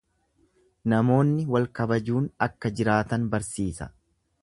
Namoonni wal kabajuun akka jiraatan barsiisa.